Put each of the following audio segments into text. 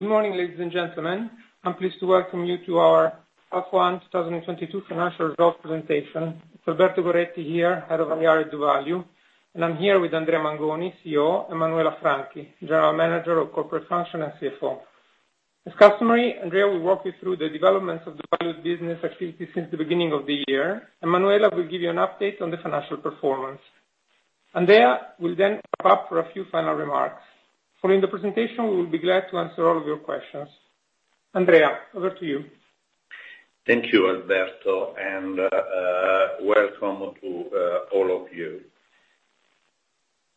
Good morning, ladies and gentlemen. I'm pleased to welcome you to our H1 2022 financial results presentation. It's Alberto Goretti here, Head of Investor Relations, doValue, and I'm here with Andrea Mangoni, CEO, and Manuela Franchi, General Manager of Corporate Function and CFO. As customary, Andrea will walk you through the developments of doValue business activity since the beginning of the year, and Manuela will give you an update on the financial performance. Andrea will then wrap up for a few final remarks. Following the presentation, we will be glad to answer all of your questions. Andrea, over to you. Thank you, Alberto, and welcome to all of you.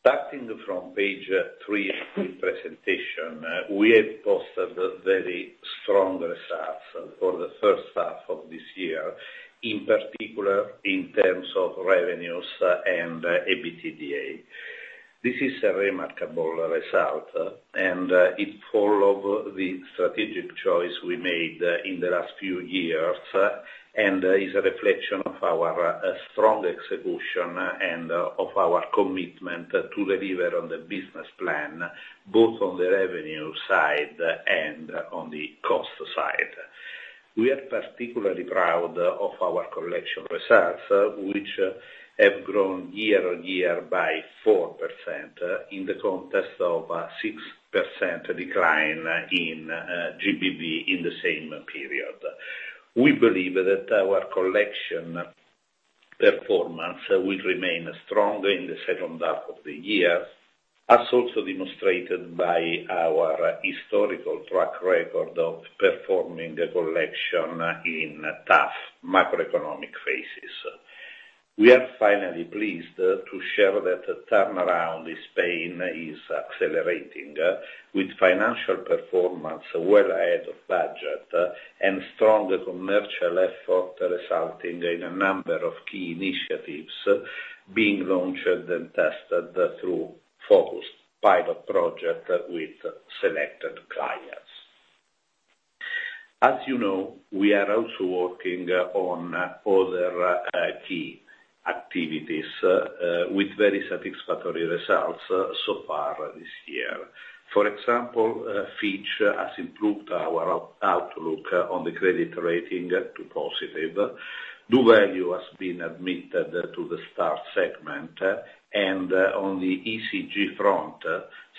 Starting from page three of the presentation, we have posted very strong results for the first half of this year, in particular in terms of revenues and EBITDA. This is a remarkable result, and it follow the strategic choice we made in the last few years, and is a reflection of our strong execution and of our commitment to deliver on the business plan, both on the revenue side and on the cost side. We are particularly proud of our collection results, which have grown year-on-year by 4%, in the context of a 6% decline in GBV in the same period. We believe that our collection performance will remain strong in the second half of the year, as also demonstrated by our historical track record of performing the collection in tough macroeconomic phases. We are finally pleased to share that the turnaround in Spain is accelerating, with financial performance well ahead of budget and strong commercial effort resulting in a number of key initiatives being launched and tested through focused pilot project with selected clients. As you know, we are also working on other key activities with very satisfactory results so far this year. For example, Fitch has improved our outlook on the credit rating to positive. doValue has been admitted to the STAR segment, and on the ESG front,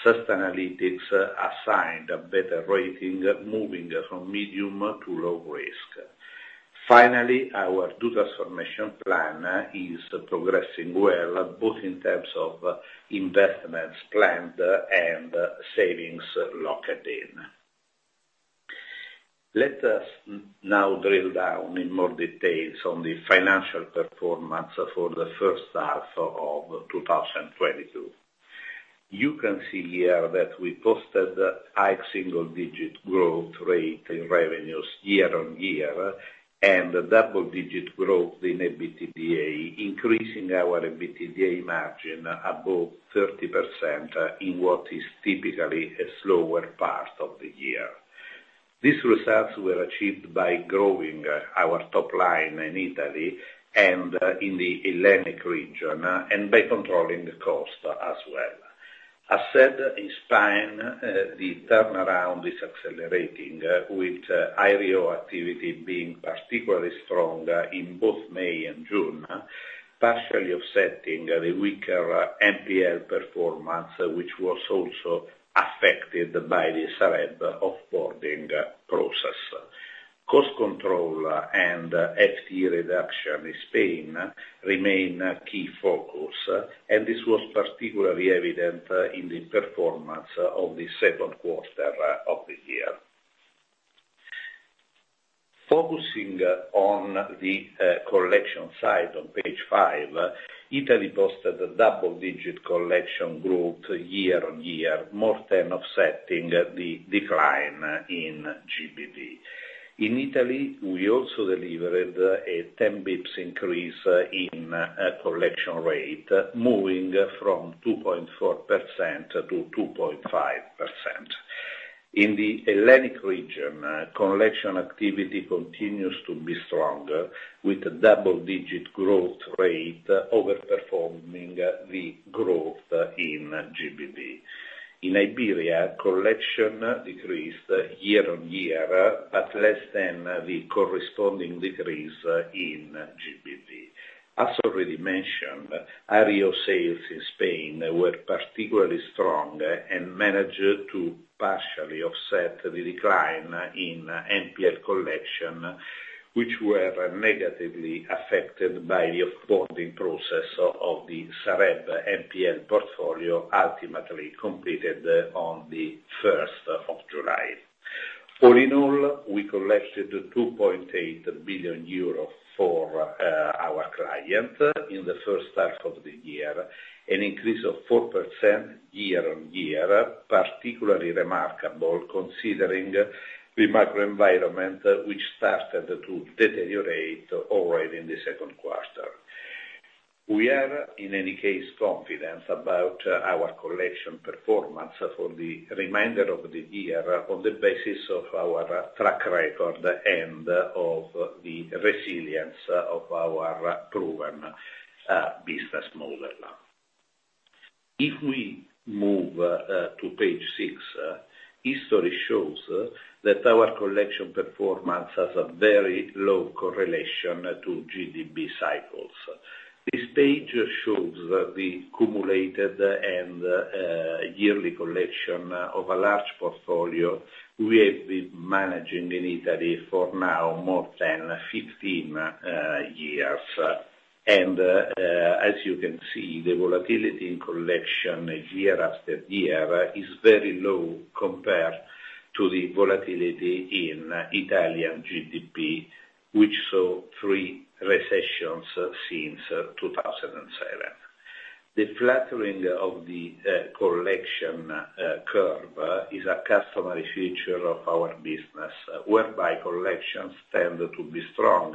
Sustainalytics assigned a better rating, moving from medium to low risk. Finally, our doTransformation plan is progressing well, both in terms of investments planned and savings locked in. Let us now drill down in more details on the financial performance for the first half of 2022. You can see here that we posted a high single-digit growth rate in revenues year-on-year, and double-digit growth in EBITDA, increasing our EBITDA margin above 30% in what is typically a slower part of the year. These results were achieved by growing our top line in Italy and in the Hellenic region, and by controlling the cost as well. As said, in Spain, the turnaround is accelerating, with REO activity being particularly strong in both May and June, partially offsetting the weaker NPL performance, which was also affected by the Sareb off-boarding process. Cost control and FTE reduction in Spain remain a key focus, and this was particularly evident in the performance of the Q2 of the year. Focusing on the collection side on page five, Italy posted a double-digit collection growth year-on-year, more than offsetting the decline in GBV. In Italy, we also delivered a 10 BPS increase in collection rate, moving from 2.4%-2.5%. In the Hellenic region, collection activity continues to be strong, with double-digit growth rate overperforming the growth in GBV. In Iberia, collection decreased year-on-year, but less than the corresponding decrease in GBV. As already mentioned, REO sales in Spain were particularly strong and managed to partially offset the decline in NPL collection, which were negatively affected by the off-boarding process of the SAREB NPL portfolio, ultimately completed on the first of July. All in all, we collected 2.8 billion euros for our client in the first half of the year, an increase of 4% year-on-year, particularly remarkable considering the macroenvironment which started to deteriorate already in the Q2. We are, in any case, confident about our collection performance for the remainder of the year on the basis of our track record and of the resilience of our proven business model. If we move to page six, history shows that our collection performance has a very low correlation to GBV cycles. This page shows the cumulated and yearly collection of a large portfolio we have been managing in Italy for now more than 15 years. As you can see, the volatility in collection year after year is very low compared to the volatility in Italian GDP, which saw three recessions since 2007. The flattening of the collection curve is a customary feature of our business, whereby collections tend to be strong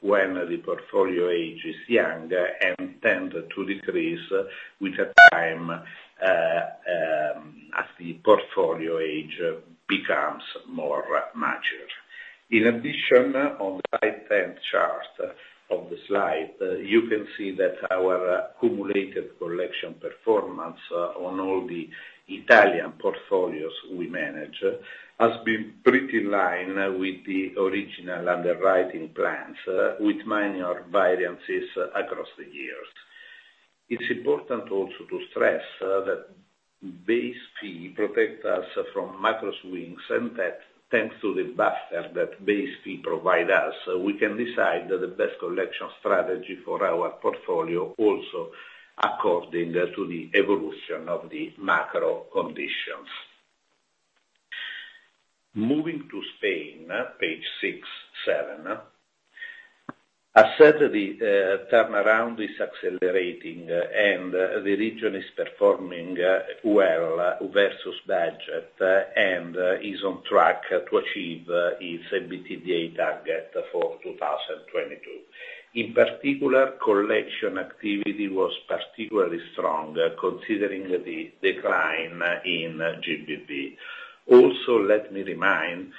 when the portfolio age is young and tend to decrease with time, as the portfolio age becomes more mature. In addition, on the right-hand chart of the slide, you can see that our cumulative collection performance on all the Italian portfolios we manage has been pretty in line with the original underwriting plans, with minor variances across the years. It's important also to stress that base fee protect us from macro swings, and that thanks to the buffer that base fee provide us, we can decide the best collection strategy for our portfolio also according to the evolution of the macro conditions. Moving to Spain, page six, seven. Asset turnaround is accelerating, and the region is performing well versus budget and is on track to achieve its EBITDA target for 2022. In particular, collection activity was particularly strong considering the decline in GBV. Also, let me remind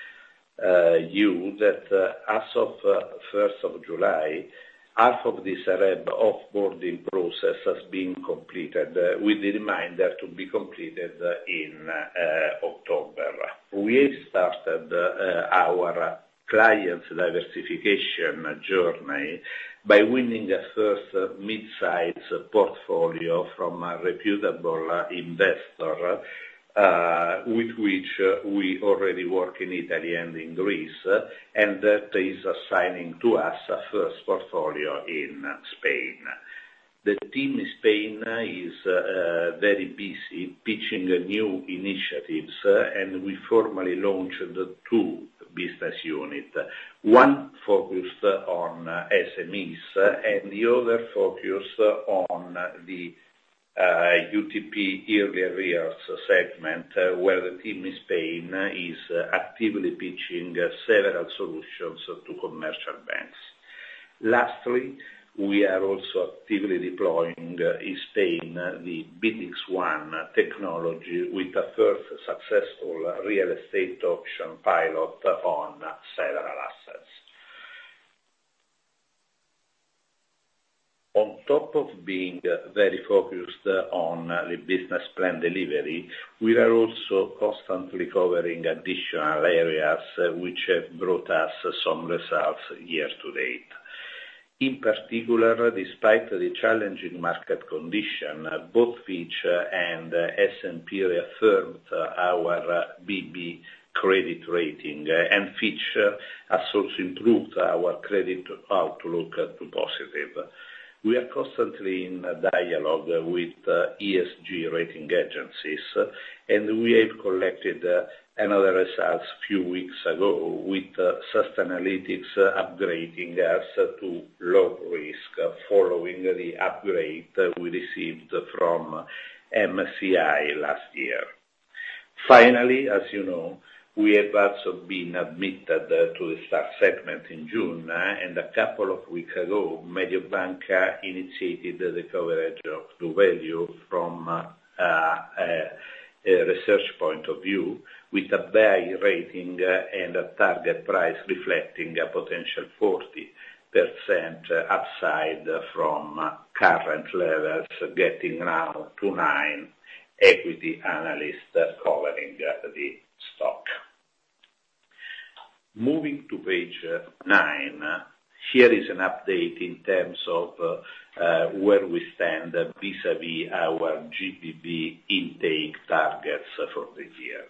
you that as of July 1st, half of the Sareb off-boarding process has been completed, with the remainder to be completed in October. We have started our clients diversification journey by winning a first midsize portfolio from a reputable investor with which we already work in Italy and in Greece, and that is assigning to us a first portfolio in Spain. The team in Spain is very busy pitching new initiatives, and we formally launched two business units, one focused on SMEs and the other focused on the UTP early arrears segment, where the team in Spain is actively pitching several solutions to commercial banks. Lastly, we are also actively deploying in Spain the BidX1 technology with a first successful real estate auction pilot on several assets. On top of being very focused on the business plan delivery, we are also constantly covering additional areas which have brought us some results year to date. In particular, despite the challenging market condition, both Fitch and S&P reaffirmed our BB credit rating, and Fitch has also improved our credit outlook to positive. We are constantly in dialogue with ESG rating agencies, and we have collected another result a few weeks ago with Sustainalytics upgrading us to low risk following the upgrade we received from MSCI last year. Finally, as you know, we have also been admitted to the STAR segment in June, and a couple of weeks ago, Mediobanca initiated the coverage of doValue from a research point of view, with a buy rating and a target price reflecting a potential 40% upside from current levels, getting now to nine equity analysts covering the stock. Moving to page 9, here is an update in terms of where we stand vis-à-vis our GBV intake targets for this year.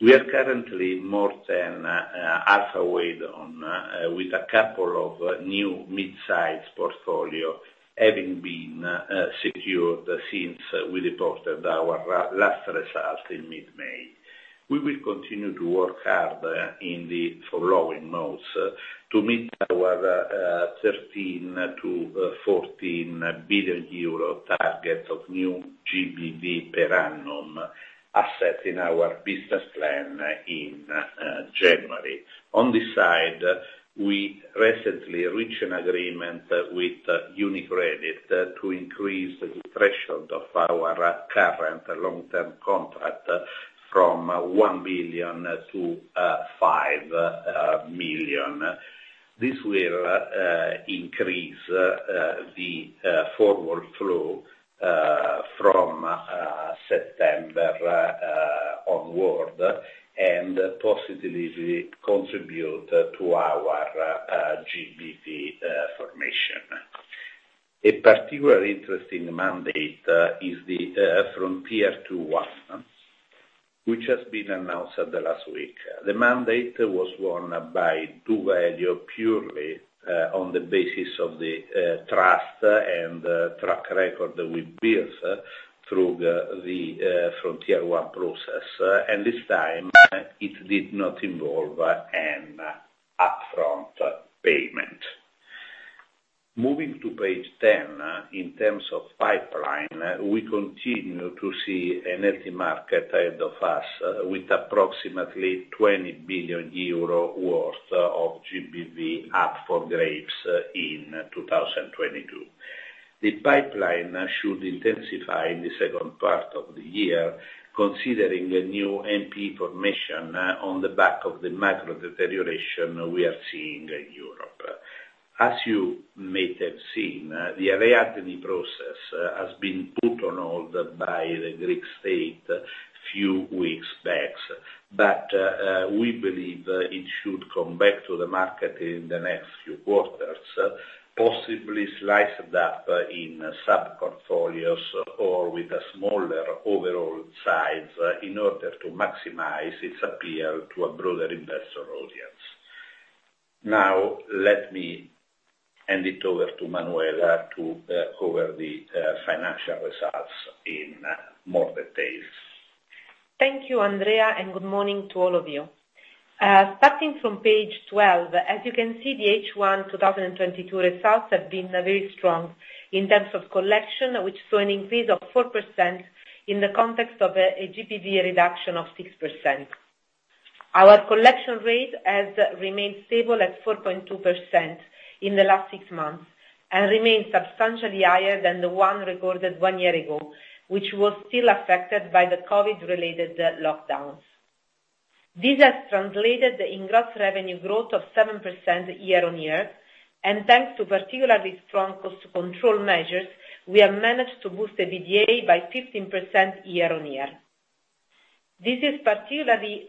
We are currently more than halfway done, with a couple of new mid-sized portfolios having been secured since we reported our last result in mid-May. We will continue to work hard in the following months to meet our 13 billion- 14 billion euro target of new GBV per annum asset in our business plan in January. On this side, we recently reached an agreement with UniCredit to increase the threshold of our current long-term contract from 1 million to 5 million. This will increase the forward flow from September onward and positively contribute to our GBV formation. A particularly interesting mandate is the one from Tier Two Watson, which has been announced last week. The mandate was won by doValue purely on the basis of the trust and track record we built through the Frontier One process, and this time it did not involve an upfront payment. Moving to page ten, in terms of pipeline, we continue to see a healthy market ahead of us with approximately 20 billion euro worth of GBV up for grabs in 2022. The pipeline should intensify in the second part of the year, considering a new NPL formation on the back of the macro deterioration we are seeing in Europe. As you may have seen, the Ariadne process has been put on hold by the Greek state a few weeks back, but we believe it should come back to the market in the next few quarters, possibly sliced up in sub portfolios or with a smaller overall size in order to maximize its appeal to a broader investor audience. Now let me hand it over to Manuela to cover the financial results in more details. Thank you, Andrea, and good morning to all of you. Starting from page 12, as you can see, the H1 2022 results have been very strong in terms of collection, which saw an increase of 4% in the context of a GBV reduction of 6%. Our collection rate has remained stable at 4.2% in the last six months and remains substantially higher than the one recorded one year ago, which was still affected by the COVID-related lockdowns. This has translated in gross revenue growth of 7% year-on-year, and thanks to particularly strong cost control measures, we have managed to boost EBITDA by 15% year-on-year. This is particularly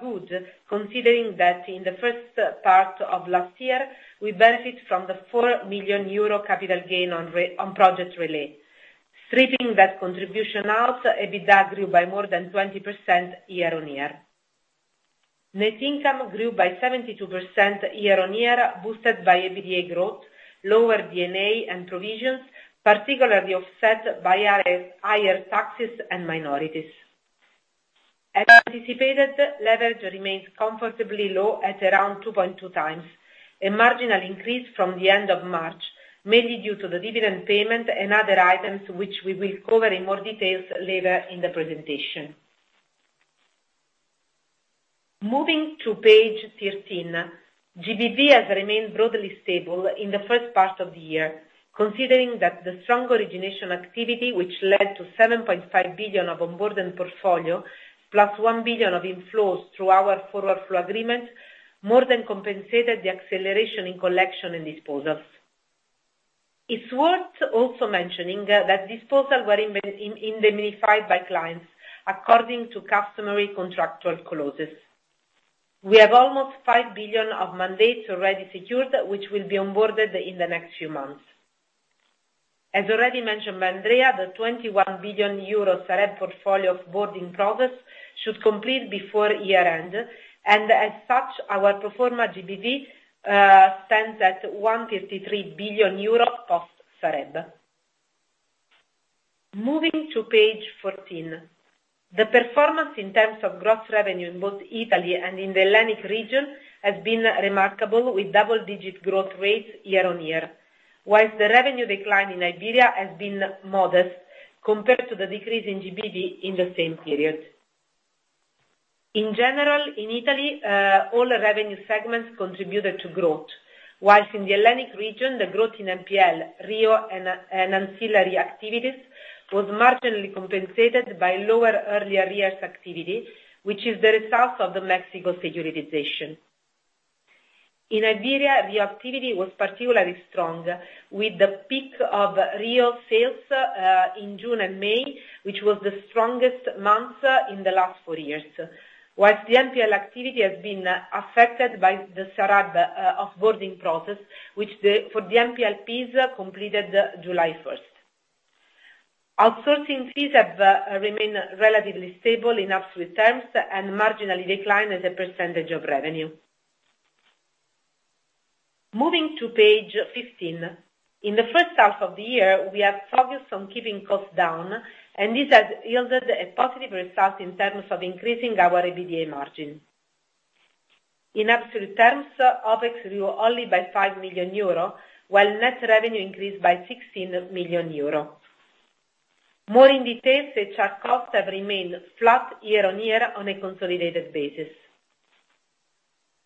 good considering that in the first part of last year we benefit from the 4 million euro capital gain on Project Relais. Stripping that contribution out, EBITDA grew by more than 20% year-on-year. Net income grew by 72% year-on-year, boosted by EBITDA growth, lower D&A and provisions, partly offset by our higher taxes and minorities. As anticipated, leverage remains comfortably low at around 2.2x, a marginal increase from the end of March, mainly due to the dividend payment and other items, which we will cover in more details later in the presentation. Moving to page 13, GBV has remained broadly stable in the first part of the year, considering that the strong origination activity, which led to 7.5 billion of onboarding portfolio, plus 1 billion of inflows through our forward flow agreement, more than compensated the acceleration in collection and disposals. It's worth also mentioning that disposals were indemnified by clients according to customary contractual clauses. We have almost 5 billion of mandates already secured, which will be onboarded in the next few months. As already mentioned by Andrea, the 21 billion euro Sareb portfolio onboarding progress should complete before year-end, and as such, our pro forma GBV stands at EUR 153 billion post Sareb. Moving to page 14, the performance in terms of gross revenue in both Italy and in the Hellenic region has been remarkable with double-digit growth rates year-on-year, while the revenue decline in Iberia has been modest compared to the decrease in GBV in the same period. In general, in Italy, all revenue segments contributed to growth. While in the Hellenic region, the growth in NPL, REO and ancillary activities was marginally compensated by lower earlier years activity, which is the result of the Mexico securitization. In Iberia, the activity was particularly strong with the peak of REO sales in June and May, which was the strongest month in the last four years. While the NPL activity has been affected by the Sareb offboarding process, which, for the NPLs, completed July 1st. Outsourcing fees have remained relatively stable in absolute terms and marginally declined as a percentage of revenue. Moving to page 15. In the first half of the year, we have focused on keeping costs down and this has yielded a positive result in terms of increasing our EBITDA margin. In absolute terms, OpEx grew only by 5 million euro, while net revenue increased by 16 million euro. More in detail, HR costs have remained flat year-on-year on a consolidated basis.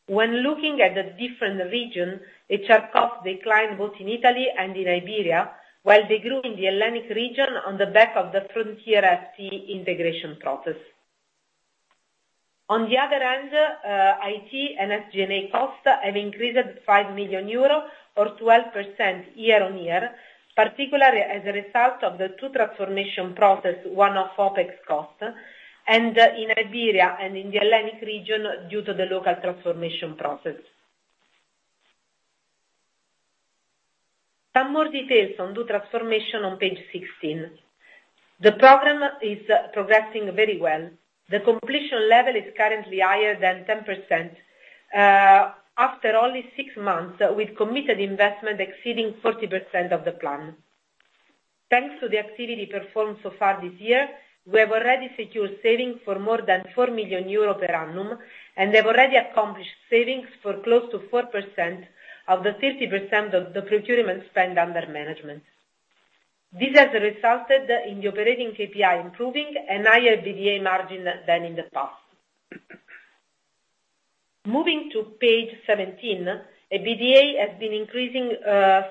When looking at the different region, HR costs declined both in Italy and in Iberia, while they grew in the Hellenic region on the back of the Frontier integration process. On the other hand, IT and SG&A costs have increased 5 million euros or 12% year-on-year, particularly as a result of the two transformation process, one-off OpEx costs, and in Iberia and in the Hellenic region due to the local transformation process. Some more details on doTransformation on page 16. The program is progressing very well. The completion level is currently higher than 10%. After only six months, we've committed investment exceeding 40% of the plan. Thanks to the activity performed so far this year, we have already secured savings for more than 4 million euros per annum, and have already accomplished savings for close to 4% of the 30% of the procurement spend under management. This has resulted in the operating KPI improving and higher EBITDA margin than in the past. Moving to page 17, EBITDA has been increasing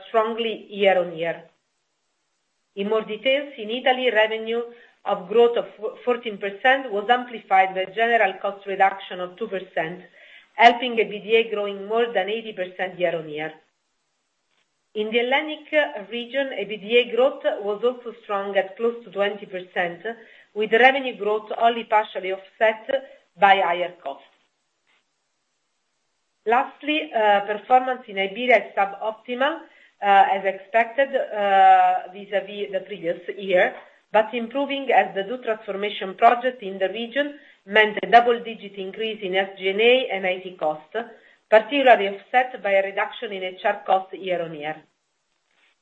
strongly year-on-year. In more details, in Italy, revenue growth of 14% was amplified by general cost reduction of 2%, helping EBITDA growing more than 80% year-on-year. In the Hellenic region, EBITDA growth was also strong at close to 20%, with revenue growth only partially offset by higher costs. Last, performance in Iberia is sub-optimal, as expected, vis-à-vis the previous year, but improving as the doTransformation project in the region meant a double-digit increase in SG&A and IT costs, particularly offset by a reduction in HR costs year on year.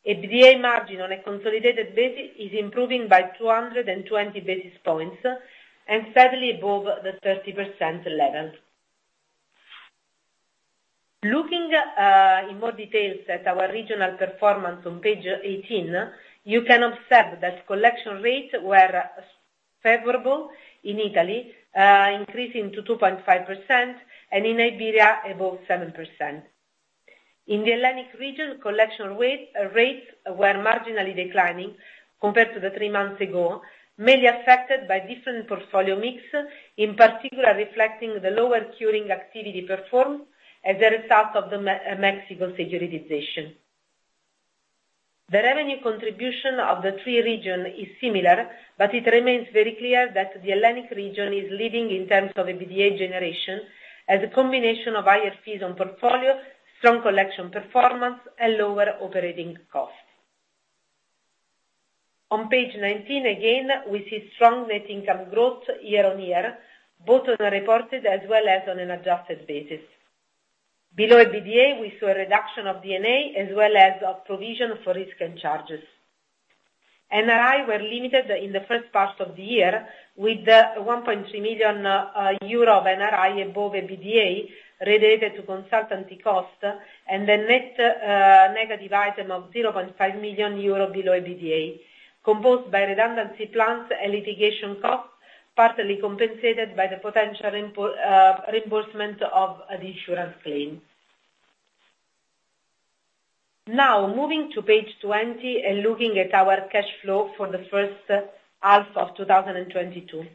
EBITDA margin on a consolidated basis is improving by 220 basis points, and steadily above the 30% level. Looking in more details at our regional performance on page 18, you can observe that collection rates were favorable in Italy, increasing to 2.5%, and in Iberia above 7%. In the Hellenic region, collection rates were marginally declining compared to three months ago, mainly affected by different portfolio mix, in particular reflecting the lower curing activity performed as a result of the Mexico securitization. The revenue contribution of the three regions is similar, but it remains very clear that the Hellenic region is leading in terms of EBITDA generation as a combination of higher fees on portfolio, strong collection performance, and lower operating costs. On page 19, again, we see strong net income growth year-on-year, both on a reported as well as on an adjusted basis. Below EBITDA, we saw a reduction of D&A as well as a provision for risk and charges. NRI were limited in the first part of the year with 1.3 million euro of NRI above EBITDA related to consultancy costs and a net negative item of 0.5 million euro below EBITDA, composed by redundancy plans and litigation costs, partially compensated by the potential reimbursement of the insurance claim. Now, moving to page 20 and looking at our cash flow for the first half of 2022.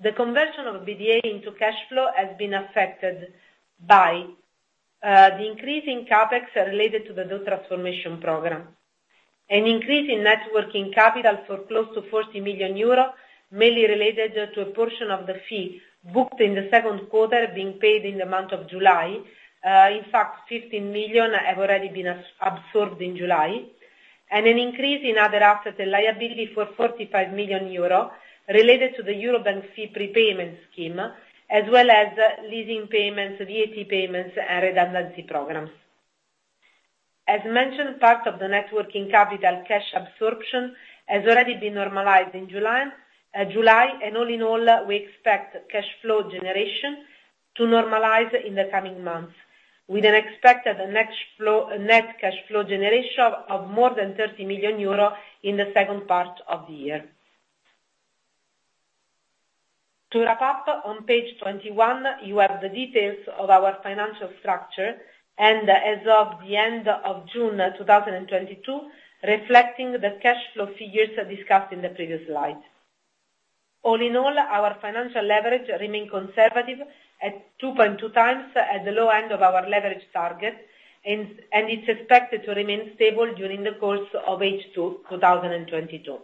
The conversion of EBITDA into cash flow has been affected by the increase in CapEx related to the doTransformation program. An increase in net working capital for close to 40 million euros, mainly related to a portion of the fee booked in the Q2 being paid in the month of July. In fact, 15 million have already been absorbed in July. An increase in other assets and liability for 45 million euro related to the Eurobank fee prepayment scheme, as well as leasing payments, VAT payments, and redundancy programs. As mentioned, part of the net working capital cash absorption has already been normalized in July, and all in all, we expect cash flow generation to normalize in the coming months, with an expected net cash flow generation of more than 30 million euro in the second part of the year. To wrap up, on page 21, you have the details of our financial structure, and as of the end of June 2022, reflecting the cash flow figures discussed in the previous slide. All in all, our financial leverage remain conservative at 2.2x at the low end of our leverage target, and it's expected to remain stable during the course of H2 2022.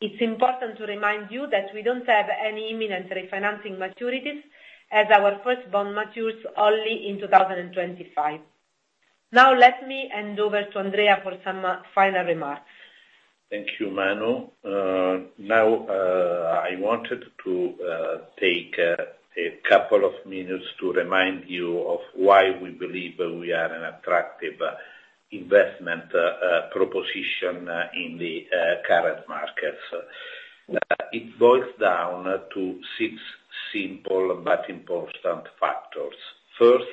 It's important to remind you that we don't have any imminent refinancing maturities as our first bond matures only in 2025. Now let me hand over to Andrea for some final remarks. Thank you, Manu. Now, I wanted to take a couple of minutes to remind you of why we believe we are an attractive investment proposition in the current markets. It boils down to six simple but important factors. First,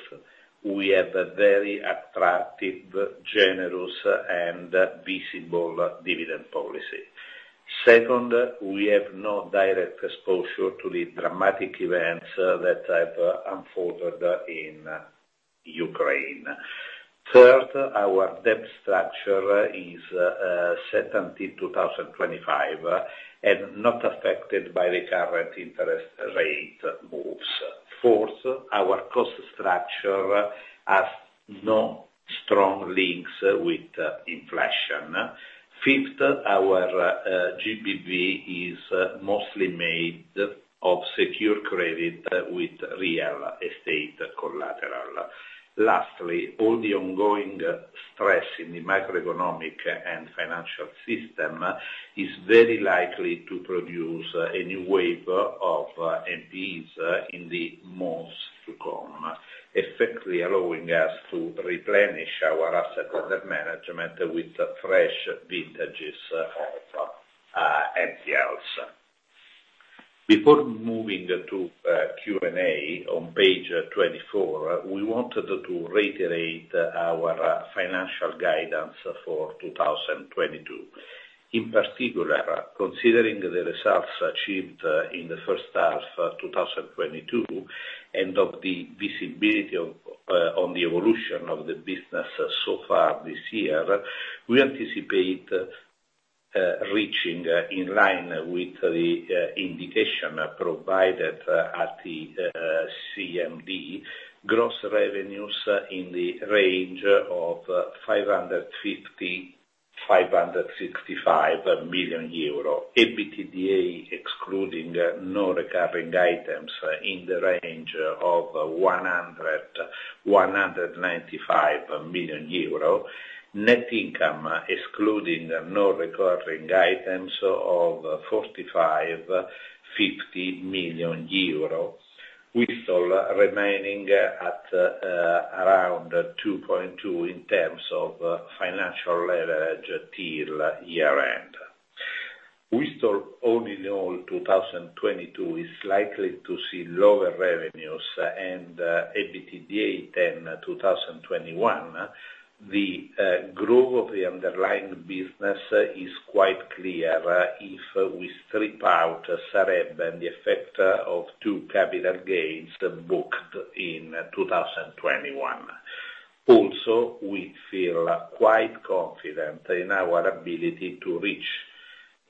we have a very attractive, generous, and visible dividend policy. Second, we have no direct exposure to the dramatic events that have unfolded in Ukraine. Third, our debt structure is set until 2025, and not affected by the current interest rate moves. Fourth, our cost structure has no strong links with inflation. Fifth, our GBP is mostly made of secure credit with real estate collateral. Lastly, all the ongoing stress in the macroeconomic and financial system is very likely to produce a new wave of NPEs in the months to come, effectively allowing us to replenish our asset under management with fresh vintages of NPLs. Before moving to Q&A, on page 24, we wanted to reiterate our financial guidance for 2022. In particular, considering the results achieved in the first half of 2022, and of the visibility on the evolution of the business so far this year, we anticipate reaching in line with the indication provided at the CMD, gross revenues in the range of 550-565 million euro. EBITDA, excluding non-recurring items, in the range of 100 million-195 million euro. Net income, excluding non-recurring items, of 45 million-50 million euro. We still remaining at around 2.2 in terms of financial leverage till year-end. We saw all in all, 2022 is likely to see lower revenues and EBITDA than 2021. The growth of the underlying business is quite clear if we strip out Sareb and the effect of two capital gains booked in 2021. Also, we feel quite confident in our ability to reach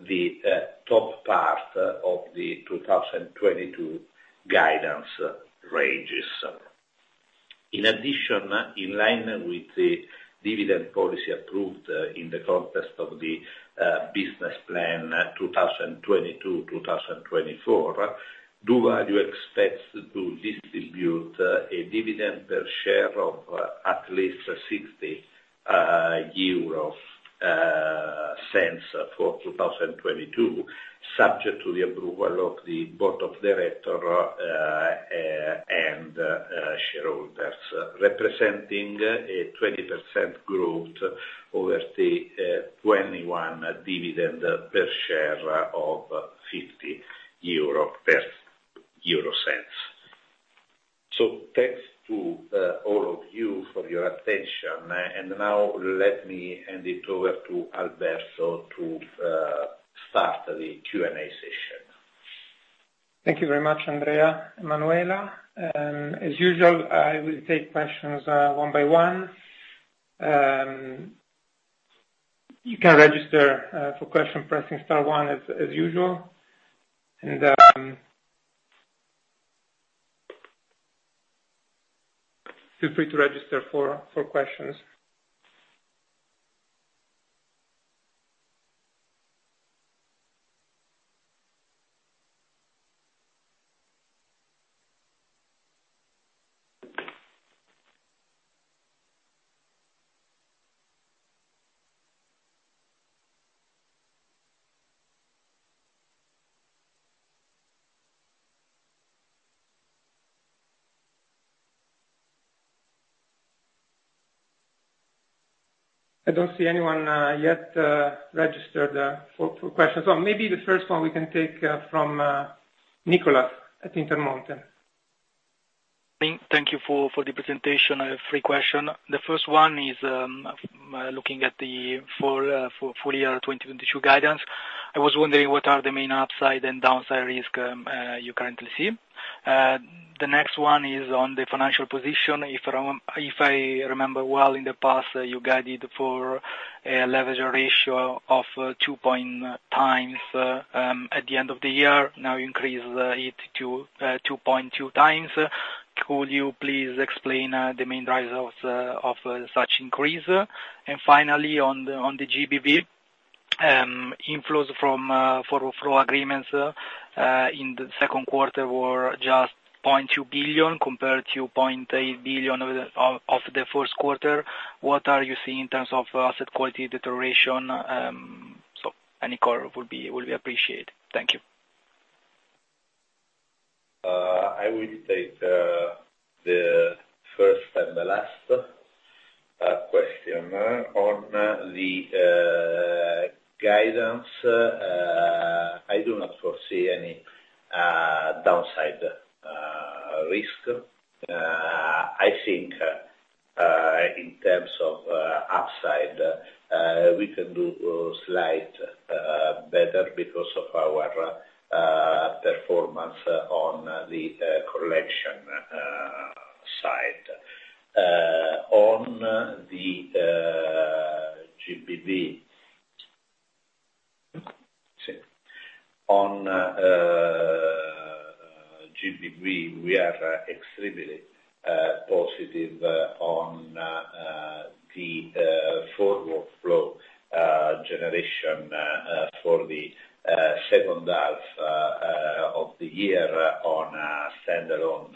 the top part of the 2022 guidance ranges. In addition, in line with the dividend policy approved in the context of the business plan 2022-2024, doValue expects to distribute a dividend per share of at least EUR 0.60 for 2022, subject to the approval of the board of directors and shareholders, representing a 20% growth over the 2021 dividend per share of EUR 0.50. Thanks to all of you for your attention. Now let me hand it over to Alberto to start the Q&A session. Thank you very much, Andrea, Manuela. As usual, I will take questions one by one. You can register for questions by pressing star one as usual. Feel free to register for questions. I don't see anyone yet registered for questions. Maybe the first one we can take from Nicholas at Intermonte. Thank you for the presentation. I have three questions. The first one is looking at the full year 2022 guidance. I was wondering what are the main upside and downside risks you currently see? The next one is on the financial position. If I remember well in the past, you guided for a leverage ratio of 2x at the end of the year. Now you increase it to 2.2x. Could you please explain the main drivers of such increase? Finally on the GBV, inflows from forward flow agreements in the Q2 were just 0.2 billion compared to 0.8 billion of the Q1. What are you seeing in terms of asset quality deterioration? Any color would be appreciated. Thank you. I will take the first and the last question. On the guidance, I do not foresee any downside risk. I think in terms of upside, we can do slightly better because of our performance on the collection side. On the GBV. On GBV, we are extremely positive on the forward flow generation for the second half of the year on a standalone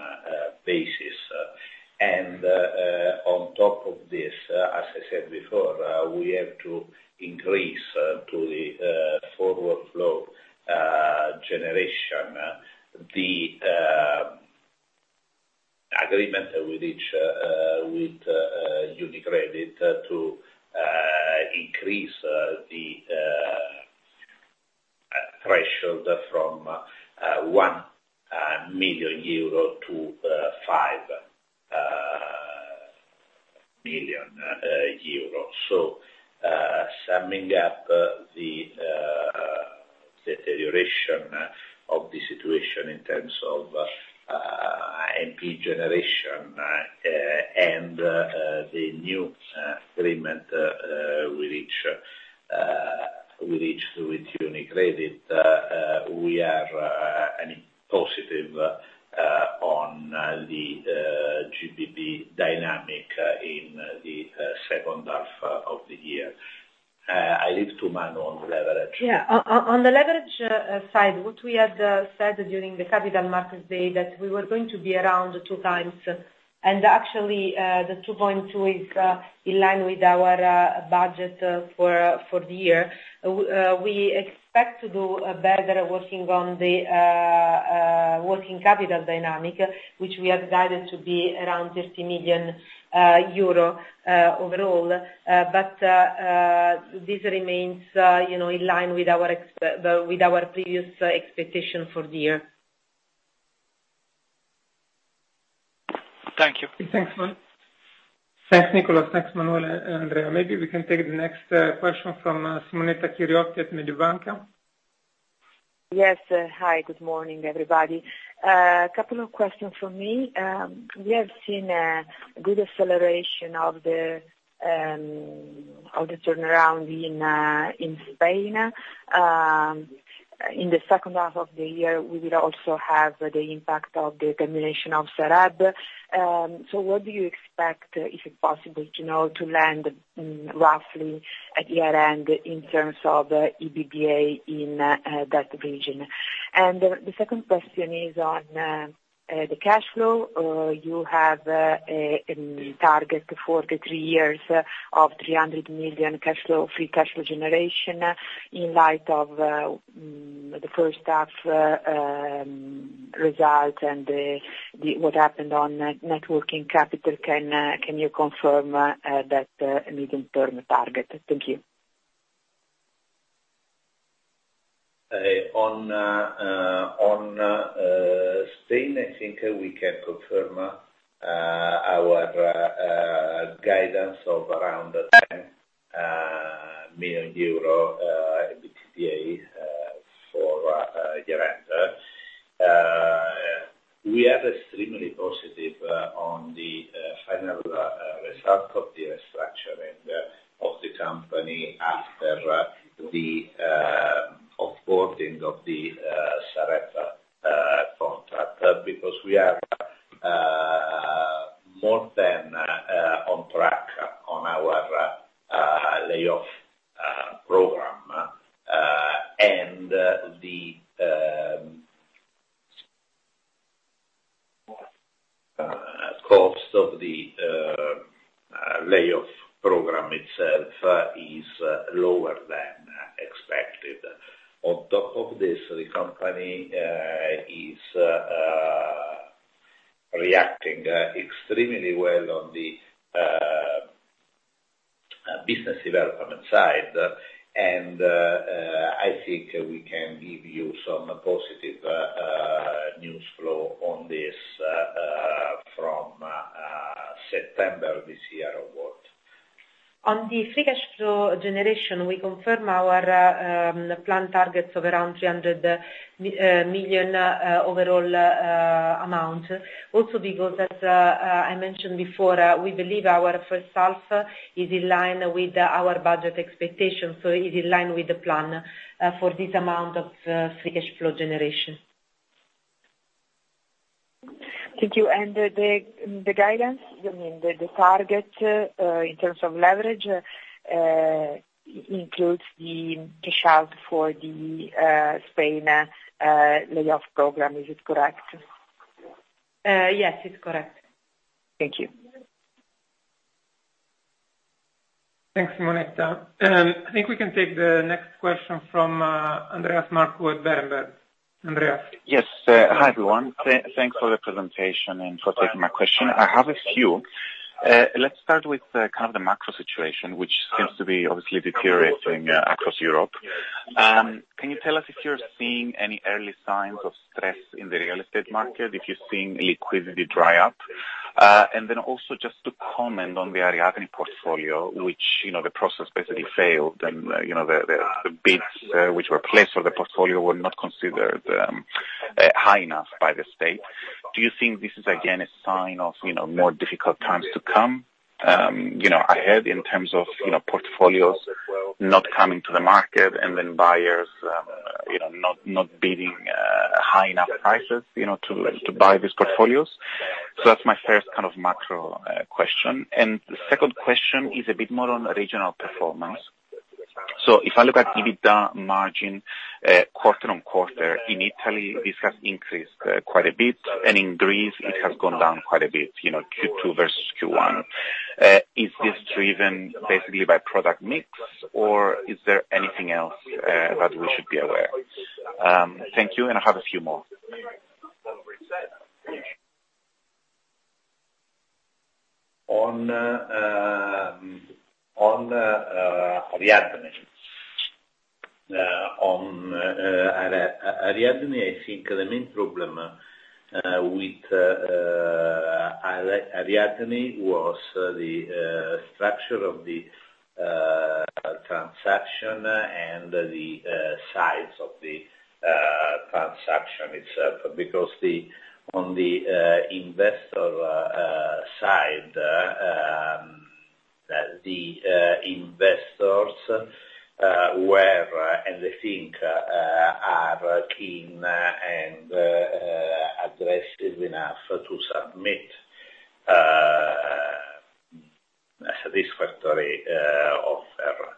basis. On top of this, as I said before, we have to increase to the forward flow generation the agreement with UniCredit to increase the threshold from EUR 1 million-EUR 5 million. Summing up the deterioration of the situation in terms of NPL generation, and the new agreement we reached with UniCredit, we are positive on the GBV dynamic in the second half of the year. I leave to Manu on leverage. Yeah. On the leverage side, what we had said during the capital markets day that we were going to be around 2x. Actually, the 2.2 is in line with our budget for the year. We expect to do a better working on the working capital dynamic, which we have guided to be around 50 million euro overall. This remains, you know, in line with our previous expectation for the year. Thank you. Thanks, Manu. Thanks, Nicholas. Thanks, Manuela and Andrea. Maybe we can take the next question from Simonetta Chiriotti at Mediobanca. Yes. Hi, good morning, everybody. A couple of questions from me. We have seen a good acceleration of the turnaround in Spain. In the second half of the year, we will also have the impact of the termination of Sareb. What do you expect, if it's possible to know, to land roughly at year-end in terms of the EBITDA in that region? The second question is on the cash flow. You have a target for the three years of 300 million Free Cash Flow generation. In light of the first half result and what happened on net working capital, can you confirm that medium-term target? Thank you. On Spain, I think we can confirm our guidance of around EUR 10 million EBITDA for year-end. We are extremely positive on the final result of the restructuring of the company after the off-boarding of the Sareb contract because we are more than on track on our layoff program. The cost of the layoff program itself is lower than expected. On top of this, the company is reacting extremely well on the business development side. I think we can give you some positive news flow on this from September this year onward. On the Free Cash Flow generation, we confirm our plan targets of around 300 million overall amount. Also because as I mentioned before, we believe our first half is in line with our budget expectations, so is in line with the plan for this amount of Free Cash Flow generation. Thank you. The guidance, you mean the target, in terms of leverage, includes the cash out for the Spain layoff program. Is it correct? Yes, it's correct. Thank you. Thanks, Simonetta. I think we can take the next question from Andreas Markou at Berenberg. Andreas? Yes. Hi, everyone. Thanks for the presentation and for taking my question. I have a few. Let's start with kind of the macro situation, which seems to be obviously deteriorating across Europe. Can you tell us if you're seeing any early signs of stress in the real estate market, if you're seeing liquidity dry up? Also just to comment on the Ariadne portfolio, which, you know, the process basically failed and, you know, the bids, which were placed for the portfolio were not considered high enough by the state. Do you think this is again a sign of, you know, more difficult times to come, you know, ahead in terms of, you know, portfolios not coming to the market and then buyers, you know, not bidding high enough prices, you know, to buy these portfolios? That's my first kind of macro question. The second question is a bit more on regional performance. If I look at EBITDA margin, quarter-on-quarter, in Italy, this has increased quite a bit, and in Greece it has gone down quite a bit, you know, Q2 versus Q1. Is this driven basically by product mix or is there anything else that we should be aware? Thank you, and I have a few more. On Ariadne. On Ariadne, I think the main problem with Ariadne was the structure of the transaction and the size of the transaction itself. Because on the investor side, the investors were and I think are keen and aggressive enough to submit a satisfactory offer.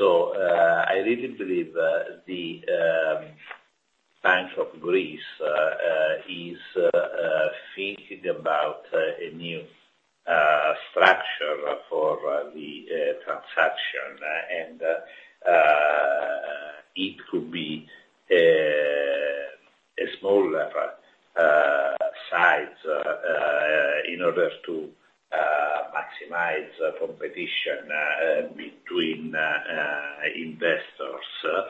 I really believe the Bank of Greece is thinking about a new structure for the transaction and it could be a smaller size in order to maximize competition between investors.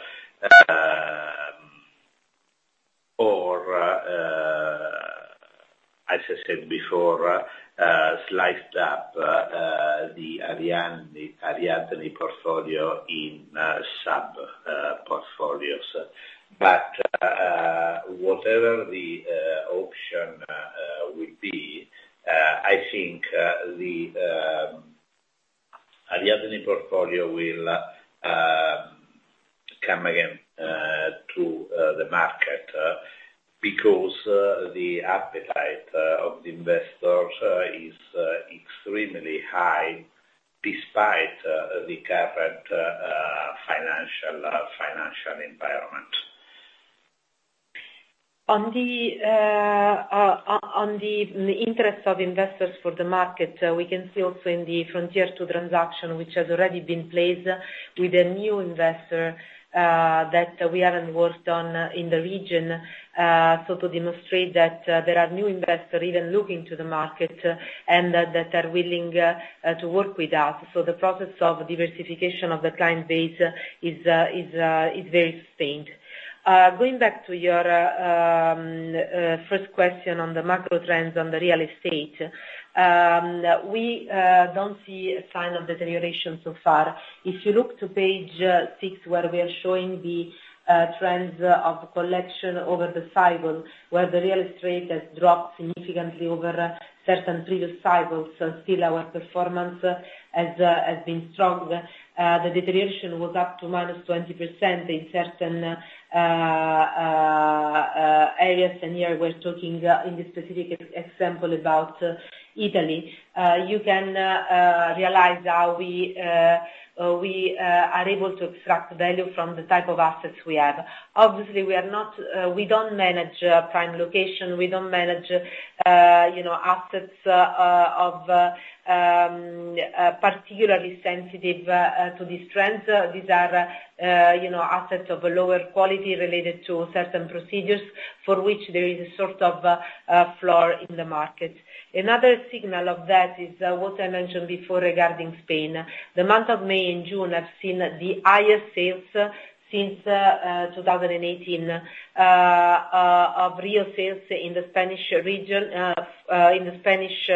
Or as I said before, sliced up the Ariadne portfolio in sub portfolios. Whatever the option will be, I think the Ariadne portfolio will come again to the market because the appetite of the investors is extremely high despite the current financial environment. On the interest of investors for the market, we can see also in the Frontier II transaction, which has already been placed with a new investor that we haven't worked on in the region, so to demonstrate that there are new investors even looking to the market and that are willing to work with us. The process of diversification of the client base is very sustained. Going back to your first question on the macro trends on the real estate, we don't see a sign of deterioration so far. If you look to page 6 where we are showing the trends of collection over the cycle, where the real estate has dropped significantly over certain previous cycles, still our performance has been strong. The deterioration was up to minus 20% in certain areas, and here we're talking in this specific example about Italy. You can realize how we are able to extract value from the type of assets we have. Obviously, we are not, we don't manage prime location. We don't manage you know assets of particularly sensitive to these trends. These are you know assets of a lower quality related to certain procedures for which there is a sort of a floor in the market. Another signal of that is what I mentioned before regarding Spain. The month of May and June have seen the highest sales since 2018 of real sales in the Spanish region in the Spanish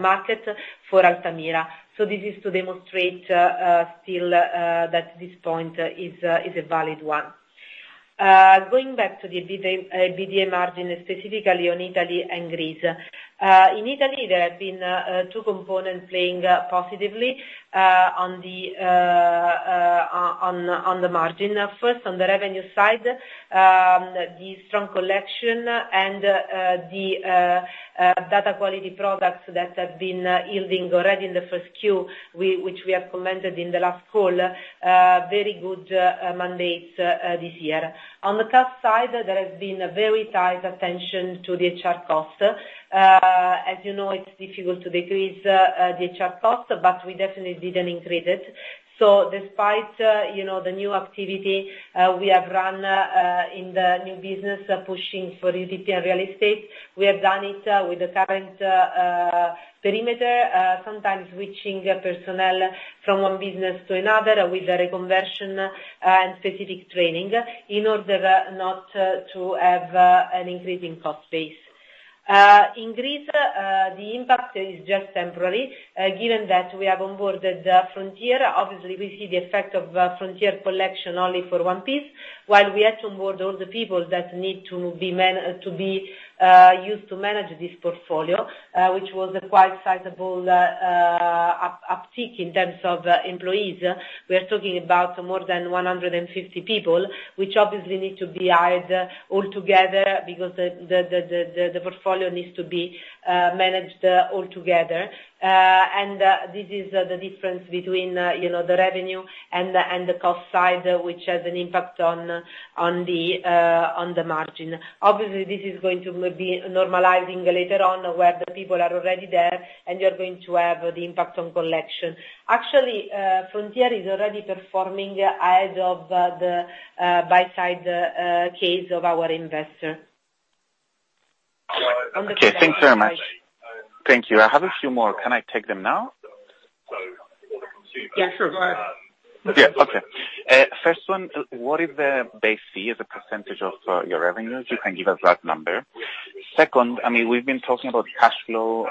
market for Altamira. This is to demonstrate still that this point is a valid one. Going back to the EBITDA margin, specifically on Italy and Greece. In Italy, there have been two components playing positively on the margin. First, on the revenue side, the strong collection and the data quality products that have been yielding already in the first Q, which we have commented in the last call, very good mandates this year. On the cost side, there has been a very tight attention to the HR cost. As you know, it's difficult to decrease the HR cost, but we definitely didn't increase it. Despite, you know, the new activity we have run in the new business pushing for EVP and real estate, we have done it with the current perimeter, sometimes switching personnel from one business to another with a reconversion and specific training in order not to have an increase in cost base. In Greece, the impact is just temporary, given that we have onboarded Frontier. Obviously, we see the effect of Frontier collection only for one piece, while we had to onboard all the people that need to be used to manage this portfolio, which was a quite sizable uptick in terms of employees. We are talking about more than 150 people, which obviously need to be hired all together because the portfolio needs to be managed all together. This is the difference between, you know, the revenue and the cost side, which has an impact on the margin. Obviously, this is going to be normalizing later on, where the people are already there, and you're going to have the impact on collection. Actually, Frontier is already performing ahead of the buy-side case of our investor. Okay. Thanks very much. Thank you. I have a few more. Can I take them now? Yeah, sure. Go ahead. Yeah. Okay. First one, what is the base fee as a percentage of your revenues? You can give us that number. Second, I mean, we've been talking about cash flow,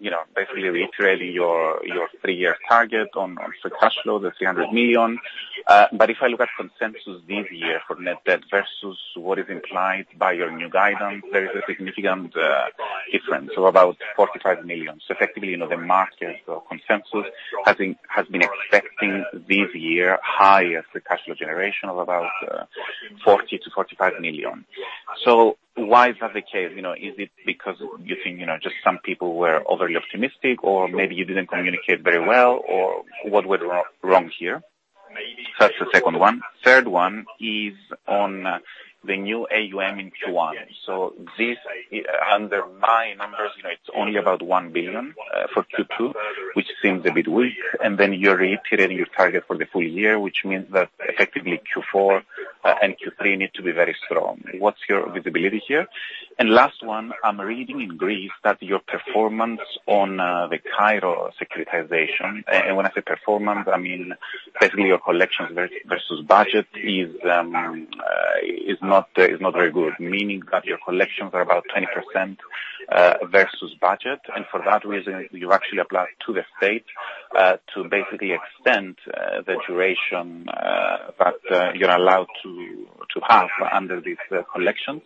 you know, basically reiterating your three-year target on Free Cash Flow, the 300 million. If I look at consensus this year for net debt versus what is implied by your new guidance, there is a significant difference of about 45 million. Effectively, you know, the market or consensus has been expecting this year higher Free Cash Flow generation of about 40 million-45 million. Why is that the case? You know, is it because you think, you know, just some people were overly optimistic, or maybe you didn't communicate very well, or what went wrong here? That's the second one. Third one is on the new AUM in Q1. This, under my numbers, you know, it's only about 1 billion for Q2, which seems a bit weak. Then you're reiterating your target for the full year, which means that effectively Q4 and Q3 need to be very strong. What's your visibility here? Last one, I'm reading in Greece that your performance on the Project Cairo securitization. When I say performance, I mean basically your collections versus budget is not very good. Meaning that your collections are about 20% versus budget, and for that reason, you actually applied to the state to basically extend the duration that you're allowed to have under these collections.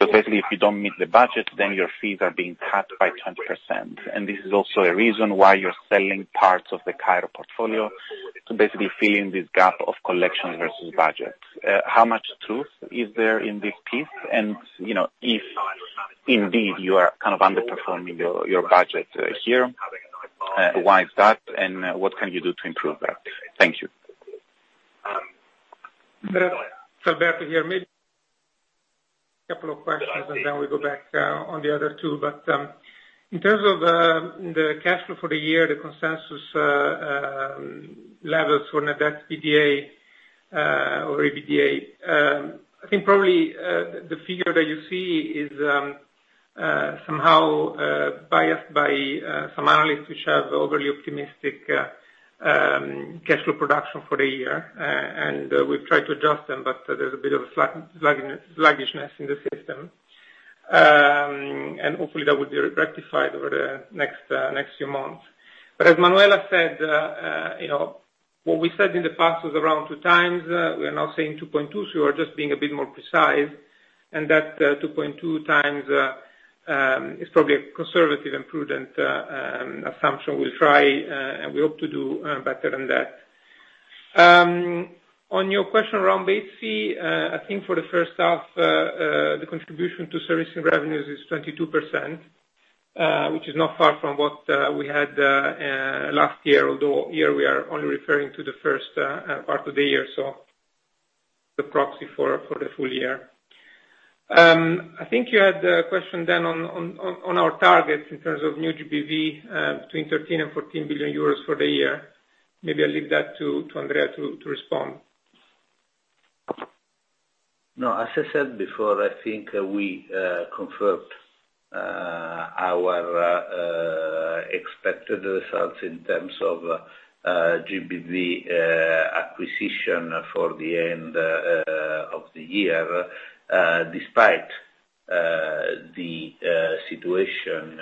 Basically, if you don't meet the budget, then your fees are being cut by 10%. This is also a reason why you're selling parts of the Cairo portfolio to basically fill in this gap of collection versus budget. How much truth is there in this piece? You know, if indeed you are kind of underperforming your budget, why is that, and what can you do to improve that? Thank you. Back to here. Maybe a couple of questions, and then we go back on the other two. In terms of the cash flow for the year, the consensus levels for net debt to EBITDA, I think probably the figure that you see is somehow biased by some analysts who have overly optimistic cash flow production for the year. We've tried to adjust them, but there's a bit of a sluggishness in the system. Hopefully that will be rectified over the next few months. As Manuela said, you know, what we said in the past was around 2x. We are now saying 2.2x, so we're just being a bit more precise. That 2.2x is probably a conservative and prudent assumption. We'll try and we hope to do better than that. On your question around base fee, I think for the first half the contribution to servicing revenues is 22%, which is not far from what we had last year, although here we are only referring to the first part of the year, so the proxy for the full year. I think you had a question then on our targets in terms of new GBV between 13 billion and 14 billion euros for the year. Maybe I'll leave that to Andrea to respond. No, as I said before, I think we confirmed our expected results in terms of GBV acquisition for the end of the year. Despite the situation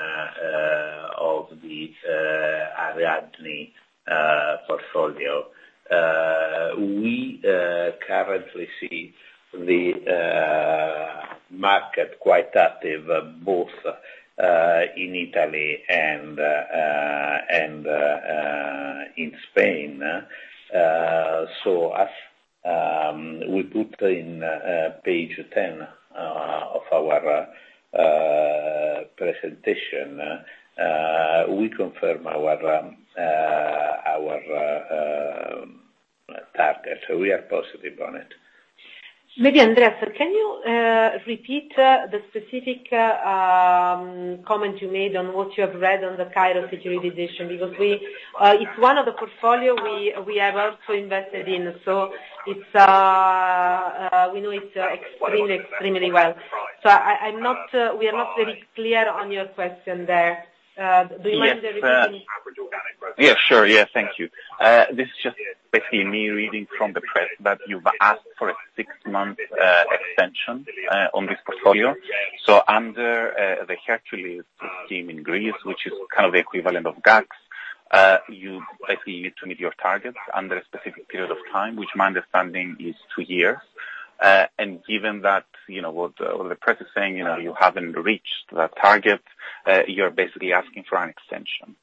of the Ariadne portfolio. We currently see the market quite active both in Italy and in Spain. As we put in page 10 of our presentation, we confirm our target. We are positive on it. Maybe, Andreas, can you repeat the specific comment you made on what you have read on the Project Cairo securitization? Because it's one of the portfolio we have also invested in. We know it extremely well. We are not very clear on your question there. Do you mind repeating? Yeah, sure. Yeah, thank you. This is just basically me reading from the press that you've asked for a six-month extension on this portfolio. Under the Hercules scheme in Greece, which is kind of the equivalent of GACS, you basically need to meet your targets under a specific period of time, which my understanding is two years. Given that, you know, what the press is saying, you know, you haven't reached the target, you're basically asking for an extension.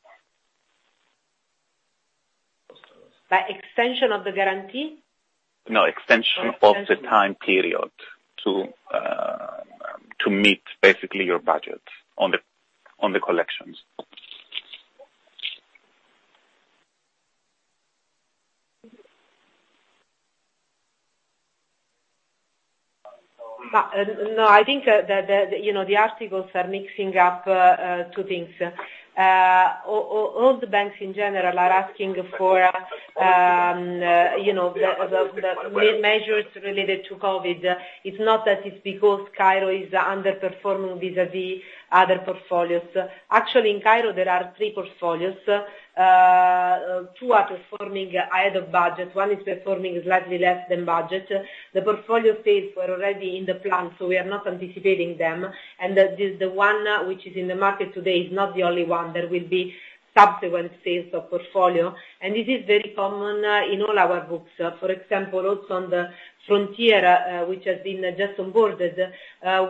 By extension of the guarantee? No. Oh, extension. of the time period to meet basically your budget on the collections. No, I think that you know, the articles are mixing up two things. All the banks in general are asking for you know, the measures related to COVID. It's not that it's because Cairo is underperforming vis-à-vis other portfolios. Actually, in Cairo there are three portfolios. Two are performing ahead of budget, one is performing slightly less than budget. The portfolio sales were already in the plan, so we are not anticipating them, and the one which is in the market today is not the only one. There will be subsequent sales of portfolio, and this is very common in all our books. For example, also on the Frontier, which has been just onboarded,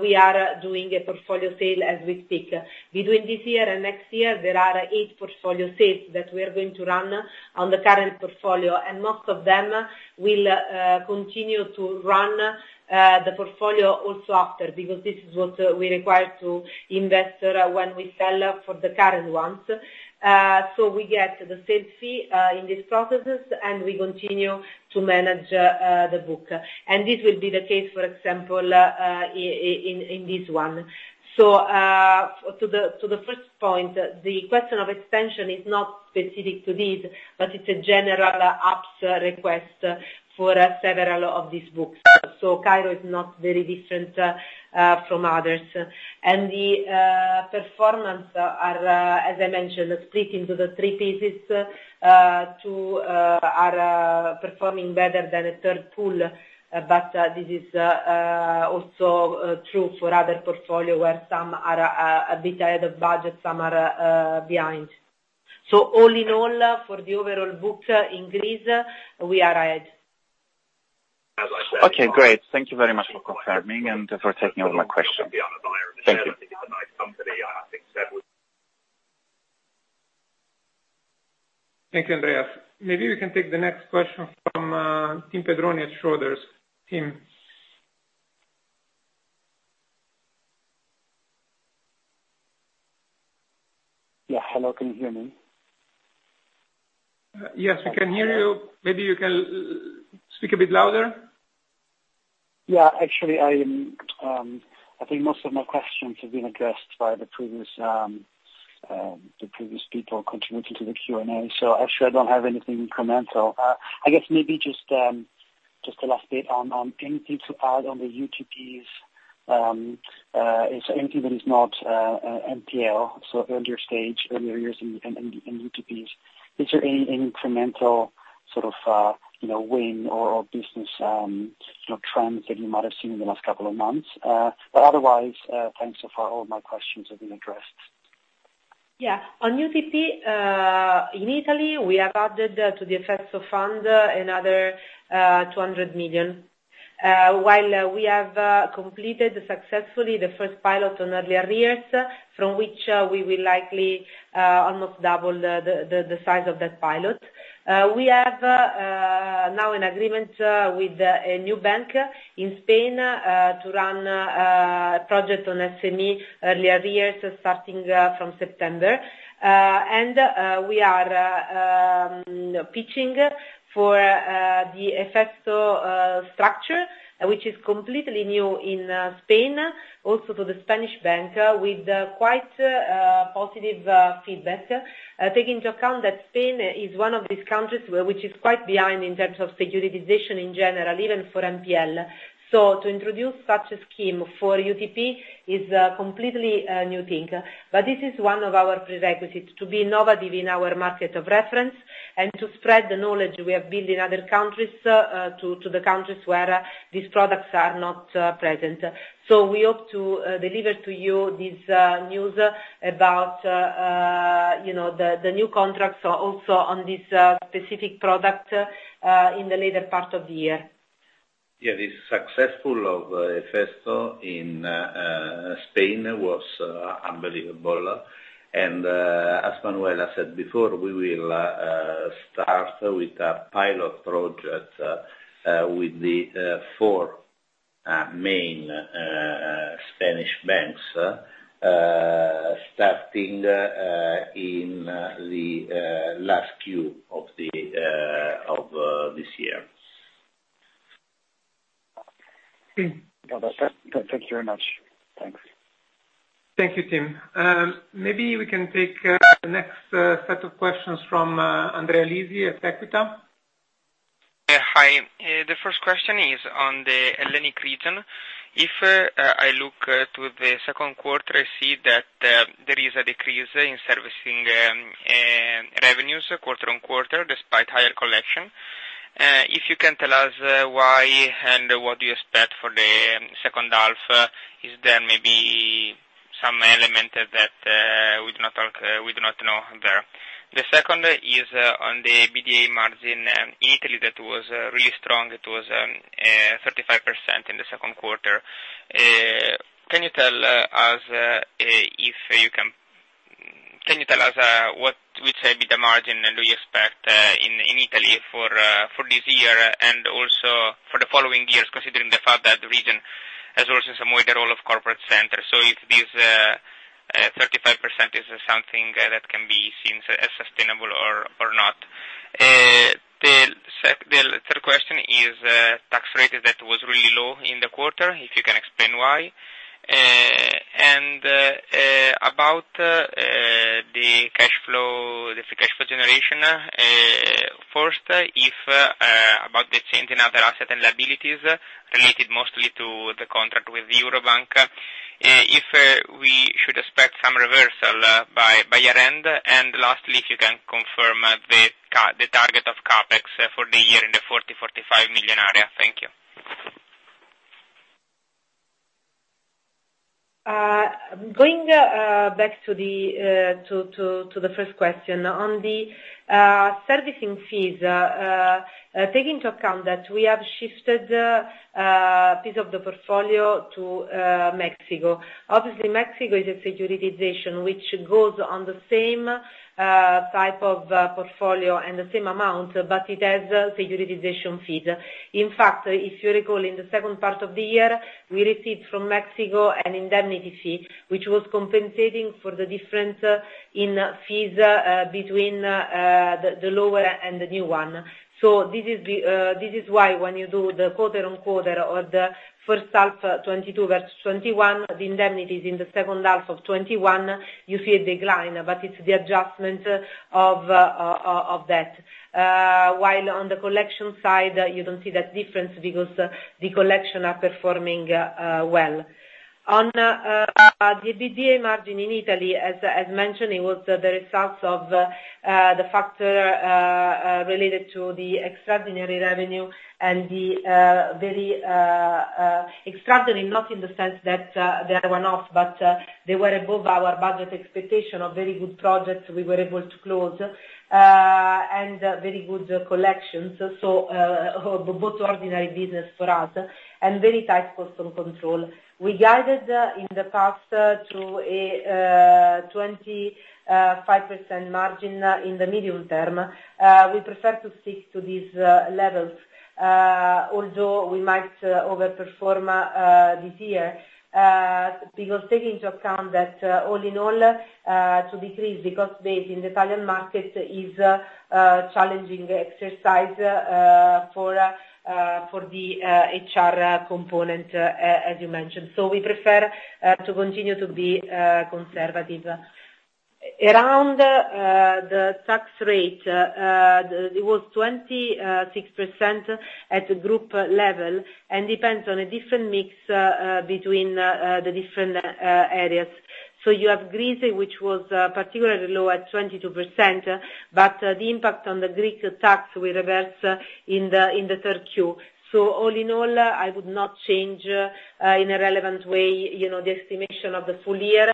we are doing a portfolio sale as we speak. Between this year and next year, there are eight portfolio sales that we are going to run on the current portfolio, and most of them will continue to run the portfolio also after, because this is what we require to invest when we sell for the current ones. We get the sales fee in these processes, and we continue to manage the book. This will be the case, for example, in this one. To the first point, the question of extension is not specific to this, but it's a general ABS request for several of these books. Cairo is not very different from others. The performance are as I mentioned split into the three pieces. Two are performing better than the third pool, but this is also true for other portfolio where some are a bit ahead of budget, some are behind. All in all, for the overall book in Greece, we are ahead. Okay, great. Thank you very much for confirming and for taking over my question. Thank you. Thank you, Andreas. Maybe we can take the next question from Tim Pedroni at Schroders. Tim? Yeah, hello. Can you hear me? Yes, we can hear you. Maybe you can speak a bit louder. Yeah. Actually, I am, I think most of my questions have been addressed by the previous people contributing to the Q&A, so actually I don't have anything incremental. I guess maybe just the last bit on anything to add on the UTPs, so anything that is not NPL, so earlier stage, earlier years in UTPs. Is there any incremental sort of, you know, win or business, you know, trends that you might have seen in the last couple of months? Otherwise, thanks. So far all my questions have been addressed. Yeah. On UTP in Italy, we have added to the EFESO fund another 200 million. While we have completed successfully the first pilot on early arrears from which we will likely almost double the size of that pilot. We have now an agreement with a new bank in Spain to run a project on SME early arrears starting from September. We are pitching for the EFESO structure, which is completely new in Spain, also for the Spanish bank with quite positive feedback. Take into account that Spain is one of these countries where it is quite behind in terms of securitization in general, even for NPL. To introduce such a scheme for UTP is completely a new thing. This is one of our prerequisites, to be innovative in our market of reference and to spread the knowledge we have built in other countries, to the countries where these products are not present. We hope to deliver to you these news about, you know, the new contracts also on this specific product in the later part of the year. Yeah, the success of EFESO in Spain was unbelievable. As Manuela said before, we will start with a pilot project with the four main Spanish banks, starting in the last Q of this year. Thank you very much. Thanks. Thank you, Tim. Maybe we can take the next set of questions from Andrea Lisi at Equita. Hi. The first question is on the Hellenic region. If I look to the Q2, I see that there is a decrease in servicing revenues quarter-on-quarter despite higher collection. If you can tell us why and what do you expect for the second half? Is there maybe some element that we do not know there? The second is on the EBITDA margin in Italy that was really strong. It was 35% in the Q2. Can you tell us if you can. Can you tell us what would you say is the margin that we expect in Italy for this year and also for the following years, considering the fact that the servicing has also some weight overall in corporate servicing, so if this 35% is something that can be seen as sustainable or not? The third question is the tax rate that was really low in the quarter, if you can explain why. About the cash flow, the Free Cash Flow generation, first, about the change in other assets and liabilities related mostly to the contract with Eurobank, if we should expect some reversal by year-end. Lastly, if you can confirm the target of CapEx for the year in the 40 million-45 million area. Thank you. Going back to the first question. On the servicing fees, take into account that we have shifted piece of the portfolio to Mexico. Obviously, Mexico is a securitization which goes on the same type of portfolio and the same amount, but it has securitization fees. In fact, if you recall, in the second part of the year, we received from Mexico an indemnity fee, which was compensating for the difference in fees between the lower and the new one. This is why when you do the quarter-over-quarter or the first half 2022 versus 2021, the indemnities in the second half of 2021, you see a decline, but it's the adjustment of that. While on the collection side, you don't see that difference because the collection are performing well. On the EBITDA margin in Italy, as mentioned, it was the results of the factor related to the extraordinary revenue and the very extraordinary not in the sense that they are one-off, but they were above our budget expectation of very good projects we were able to close and very good collections. Both ordinary business for us and very tight cost control. We guided in the past to a 25% margin in the medium term. We prefer to stick to these levels, although we might overperform this year, because take into account that all in all, to decrease the cost base in the Italian market is a challenging exercise for the HR component, as you mentioned. We prefer to continue to be conservative. Around the tax rate, it was 26% at group level, and depends on a different mix between the different areas. You have Greece, which was particularly low at 22%, but the impact on the Greek tax will reverse in the third Q. All in all, I would not change in a relevant way, you know, the estimation of the full year,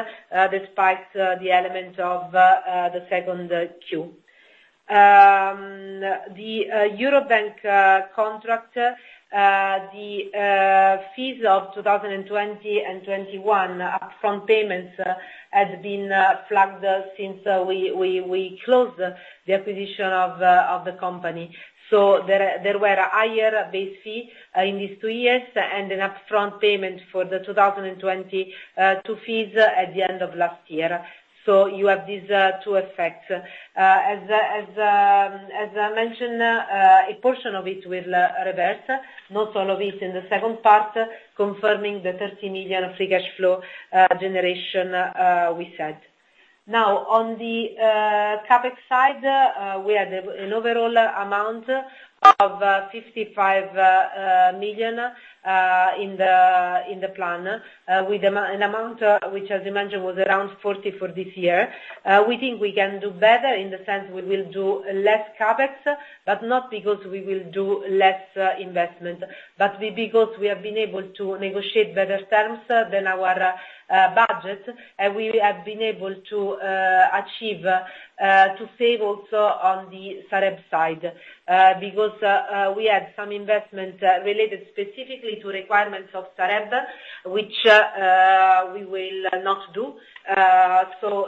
despite the element of the Q2. The Eurobank contract, the fees of 2020 and 2021 upfront payments has been flagged since we closed the acquisition of the company. There were higher base fees in these two years and an upfront payment for the 2022 fees at the end of last year. You have these two effects. As I mentioned, a portion of it will revert, not all of it in the second part, confirming the 30 million Free Cash Flow generation we said. Now, on the CapEx side, we had an overall amount of 55 million in the plan, with an amount which as I mentioned, was around 40 million for this year. We think we can do better in the sense we will do less CapEx, but not because we will do less investment, but because we have been able to negotiate better terms than our budget, and we have been able to achieve to save also on the Sareb side. Because we had some investment related specifically to requirements of Sareb, which we will not do.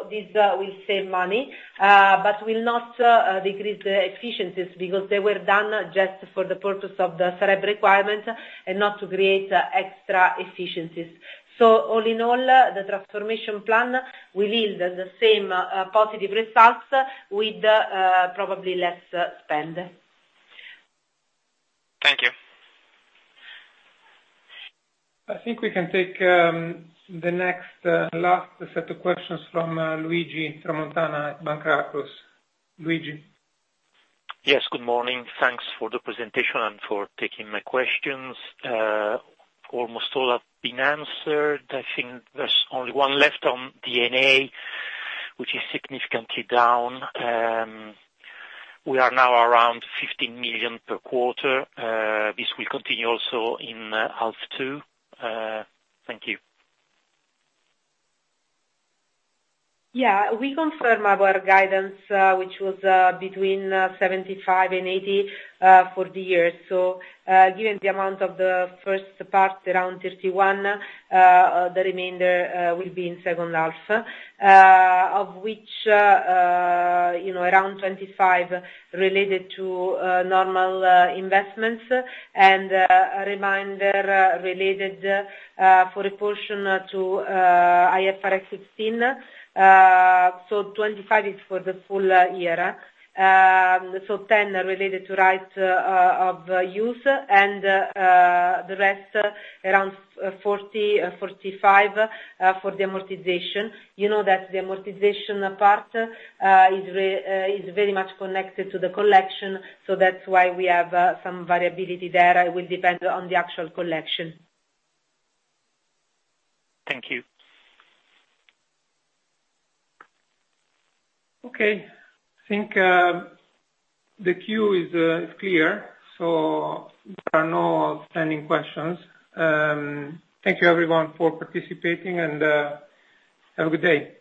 This will save money, but will not decrease the efficiencies because they were done just for the purpose of the Sareb requirement and not to create extra efficiencies. All in all, the transformation plan will yield the same positive results with probably less spend. Thank you. I think we can take the next last set of questions from Luigi Tramontana at Banca Akros. Luigi. Yes, good morning. Thanks for the presentation and for taking my questions. Almost all have been answered. I think there's only one left on D&A, which is significantly down. We are now around 15 million per quarter. This will continue also in half two. Thank you. Yeah. We confirm our guidance, which was between 75 and 80 for the year. Given the amount of the first part around 31, the remainder will be in second half, of which, you know, around 25 related to normal investments and a remainder related for a portion to IFRS 16. 25 is for the full year. 10 related to right of use and the rest around 40, 45 for the amortization. You know that the amortization part is very much connected to the collection, so that's why we have some variability there. It will depend on the actual collection. Thank you. Okay. I think the queue is clear, so there are no standing questions. Thank you everyone for participating, and have a good day.